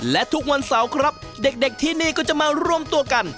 และทุกวันเสาร์ครับเด็กที่นี่ก็จะมารวมตัวกัน